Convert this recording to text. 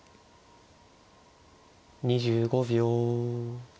２５秒。